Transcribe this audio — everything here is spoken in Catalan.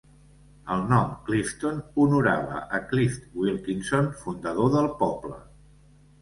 El nom Clifton honorava a Clift Wilkinson, fundador del poble.